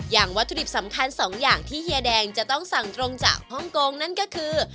วัตถุดิบสำคัญสองอย่างที่เฮียแดงจะต้องสั่งตรงจากฮ่องกงนั่นก็คือ